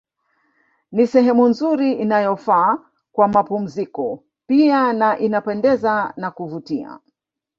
Ni sehemu nzuri inayofaa kwa mapumziko pia na inapendeza na kuvutia